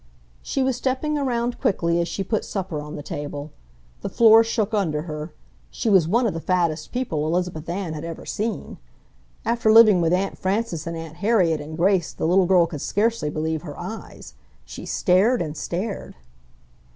She was stepping around quickly as she put supper on the table. The floor shook under her. She was one of the fattest people Elizabeth Ann had ever seen. After living with Aunt Frances and Aunt Harriet and Grace the little girl could scarcely believe her eyes. She stared and stared.